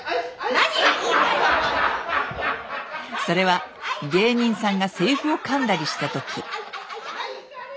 それは芸人さんがセリフをかんだりした時。